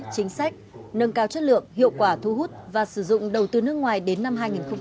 chính sách nâng cao chất lượng hiệu quả thu hút và sử dụng đầu tư nước ngoài đến năm hai nghìn ba mươi